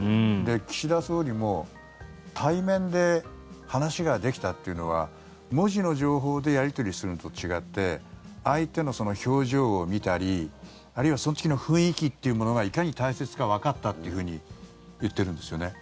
岸田総理も対面で話ができたというのは文字の情報でやり取りするのと違って相手の表情を見たりあるいはその時の雰囲気がいかに大切かわかったというふうに言っているんですよね。